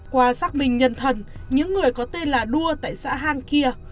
qua xác minh nhân thần những người có tên là đua tại xã hang kia